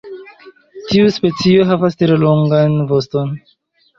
Tiu specio havas tre longan voston.